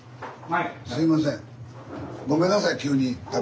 はいすいません。